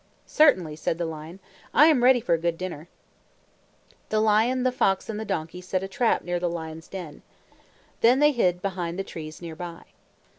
"Certainly," said the lion. "I am ready for a good dinner." The lion, the fox, and the donkey set a trap near the lion's den. Then they hid behind the trees near by.